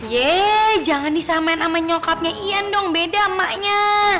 yeay jangan disamain sama nyokapnya ian dong beda emaknya